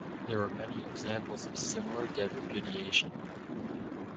There are many examples of similar debt repudiation.